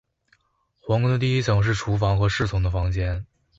皇宫的第一层是厨房和侍从的房间。